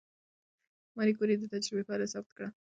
ماري کوري د تجربې پایله ثبت کړه.